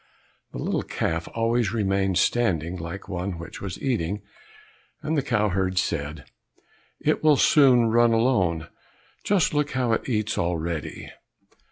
The little calf always remained standing like one which was eating, and the cow herd said, "It will soon run alone, just look how it eats already!"